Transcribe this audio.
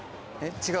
違う